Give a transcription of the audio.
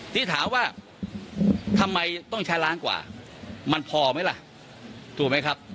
ที่ถามว่าทำไมต้องใช้ล้านกว่ามันพอไหมล่ะถูกไหมครับ